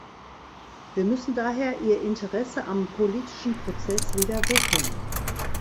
Wir müssen daher ihr Interesse am politischen Prozess wieder wecken.